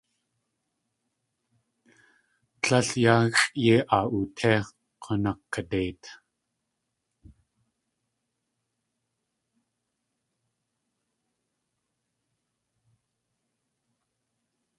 Tléil yáaxʼ yéi aa utí g̲unakadeit.